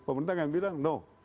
pemerintah kan bilang no